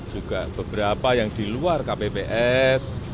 juga beberapa yang di luar kpp s